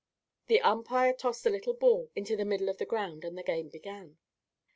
The umpire tossed a little ball into the middle of the ground, and the game began.